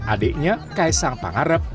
adiknya kaisang pangarep